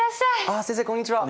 あ先生こんにちは。